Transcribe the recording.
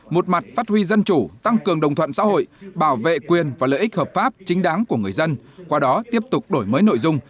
một mặt phát huy dân chủ tăng cường đồng thuận xã hội bảo vệ quyền và lợi ích hợp pháp chính đáng của người dân qua đó tiếp tục đổi mới nội dung